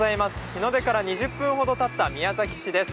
日の出から２０分ほどたって宮崎市です。